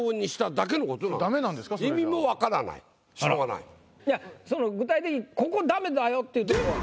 いやその具体的にここダメだよっていうとこは。